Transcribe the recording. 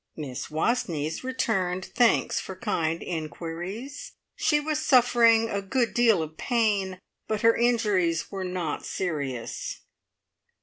Miss Wastneys returned thanks for kind inquiries. She was suffering a good deal of pain, but her injuries were not serious.